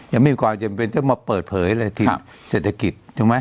ยังไม่มีความจำเป็นต้องมาเปิดเผยเลยทีมเศรษฐกิจถูกไหม